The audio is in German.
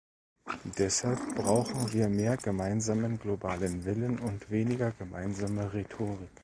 Deshalb brauchen wir mehr gemeinsamen globalen Willen und weniger gemeinsame Rhetorik.